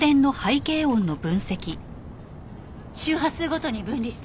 「」周波数ごとに分離して。